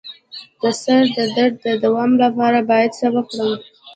د سر درد د دوام لپاره باید څه وکړم؟